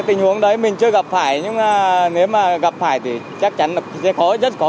cái tình huống đấy mình chưa gặp phải nhưng mà nếu mà gặp phải thì chắc chắn là sẽ khó rất khó